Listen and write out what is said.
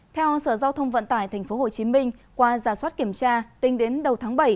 theo sở giao thông vận tải tp hcm qua giả soát kiểm tra tính đến đầu tháng bảy